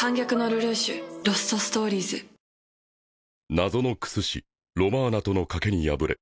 謎の薬師ロマーナとの賭けに敗れ